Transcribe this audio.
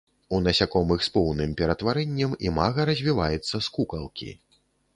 У насякомых з поўным ператварэннем імага развіваецца з кукалкі.